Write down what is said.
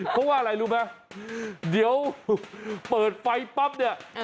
เพราะว่าอะไรรู้ไหมเดี๋ยวเปิดไฟปั๊บเนี่ย